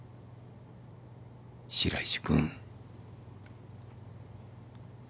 白石君。